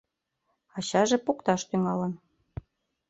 Ачаже покташ тӱҥалын.